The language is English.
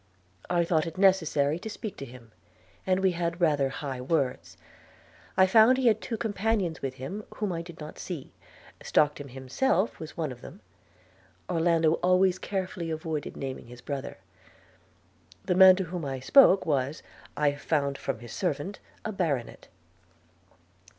I thought it necessary to speak to him; and we had rather high words. I found he had two companions with him, whom I did not see: Stockton himself was one of them (Orlando always carefully avoided naming his brother). The man to whom I spoke, was, I found from his servant, a baronet.'